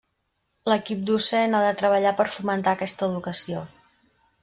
L'equip docent ha de treballar per fomentar aquesta educació.